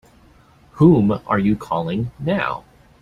Whom are you calling now?